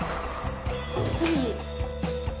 はい